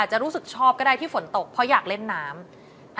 จะรู้สึกชอบก็ได้ที่ฝนตกเพราะอยากเล่นน้ำ